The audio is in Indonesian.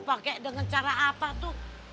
pakai dengan cara apa tuh